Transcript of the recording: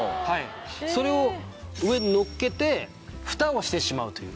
それを上にのっけて蓋をしてしまうという。